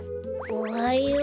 おはよう。